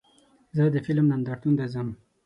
زه د فلم نندارتون ته ځم.